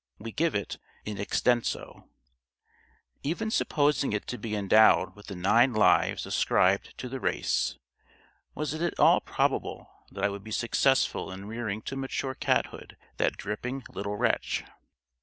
We give it in extenso. Even supposing it to be endowed with the nine lives ascribed to the race, was it at all probable that I would be successful in rearing to mature cathood that dripping little wretch?